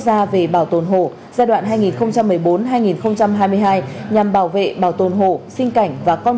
gia về bảo tồn hồ giai đoạn hai nghìn một mươi bốn hai nghìn hai mươi hai nhằm bảo vệ bảo tồn hồ sinh cảnh và con